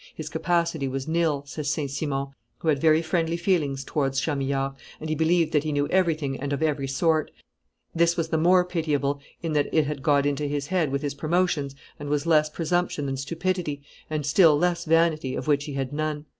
"His capacity was nil," says St. Simon, who had very friendly feelings towards Chamillard, "and he believed that he knew everything and of every sort; this was the more pitiable in that it had got into his head with his promotions, and was less presumption than stupidity, and still less vanity, of which he had none.